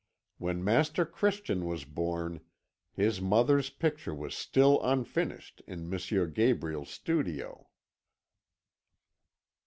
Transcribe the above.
When Master Christian was born, his mother's picture was still unfinished in M. Gabriel's studio."